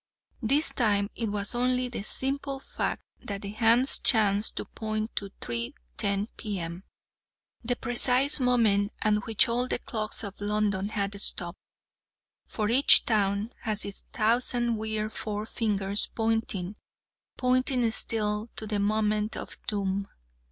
This time it was only the simple fact that the hands chanced to point to 3.10 P.M., the precise moment at which all the clocks of London had stopped for each town has its thousand weird fore fingers, pointing, pointing still, to the moment of doom.